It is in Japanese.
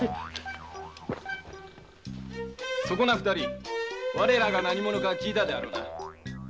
そこな二人我らが何者か聞いたであろうな？